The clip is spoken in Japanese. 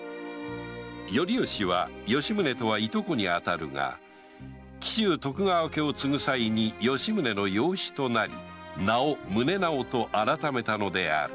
頼致と吉宗は従兄弟にあたるが紀州徳川家を継ぐさいに吉宗の養子となり名を“宗直”と改めたのである